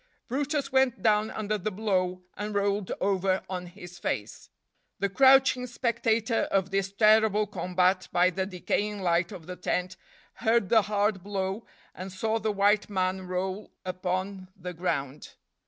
brutus went down under the blow and rolled over on his face. The crouching spectator of this terrible combat by the decaying light of the tent heard the hard blow and saw the white man roll upon the ground.